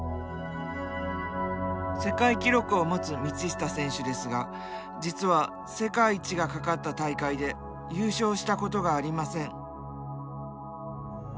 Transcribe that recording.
世界記録を持つ道下選手ですが実は世界一がかかった大会で優勝したことがありません。